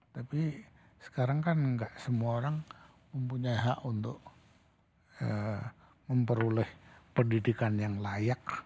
tapi sekarang kan nggak semua orang mempunyai hak untuk memperoleh pendidikan yang layak